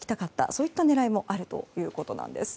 そういった狙いもあるということなんです。